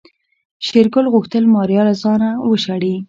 شېرګل غوښتل ماريا له ځايه وشړي.